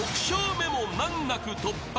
目も難なく突破］